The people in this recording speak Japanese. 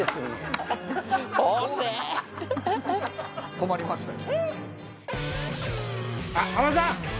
止まりましたよ。